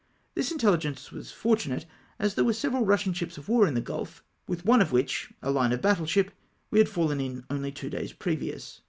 This intelligence was fortunate, as there were several Eussian ships of war in the Gulf, with one of wliich — a line of battle ship — we had fallen in only two days previous.